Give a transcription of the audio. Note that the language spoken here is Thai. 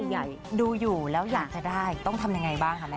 ใหญ่ดูอยู่แล้วอยากจะได้ต้องทำยังไงบ้างคะแม่